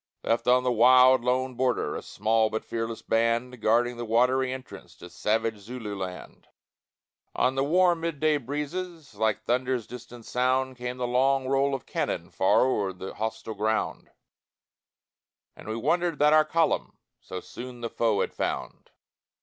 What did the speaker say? Left on the wild, lone border, A small but fearless band, Guarding the watery entrance To savage Zululand; On the warm mid day breezes, Like thunder's distant sound, Came the long roll of cannon Far o'er the hostile ground, And we wondered that our column So soon the foe had found.